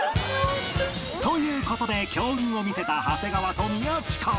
という事で強運を見せた長谷川と宮近